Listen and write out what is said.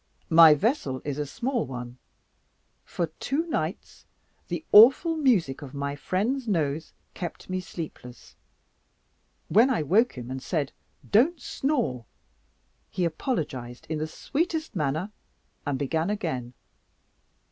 "My vessel is a small one. For two nights the awful music of my friend's nose kept me sleepless. When I woke him, and said, 'Don't snore,' he apologized in the sweetest manner, and began again.